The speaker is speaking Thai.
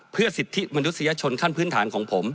เพื่อสิทธิมนุษยชนขั้นพื้นฐานของผม